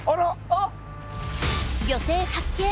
漁船発見！